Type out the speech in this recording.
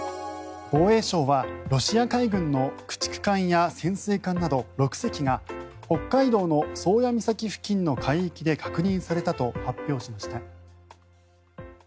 防衛省は、ロシア海軍の駆逐艦や潜水艦など６隻が北海道の宗谷岬付近の海域で確認されたと発表しました。